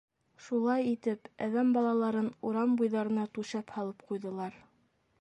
— Шулай итеп, әҙәм балаларын урам буйҙарына түшәп һалып ҡуйҙылар.